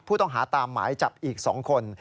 ผู้ต้องหาตามหมายจับอีก๒คน